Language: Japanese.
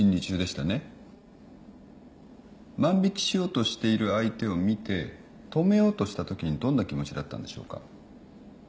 万引しようとしている相手を見て止めようとしたときにどんな気持ちだったんでしょうか。